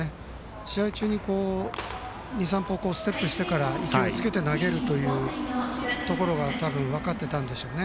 試合中に２３歩ステップして勢いをつけて投げるというところ分かっていたんでしょうね。